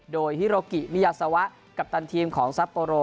โดยฮิโรกิมิยาซาวะกัปตันทีมของซัปโปโร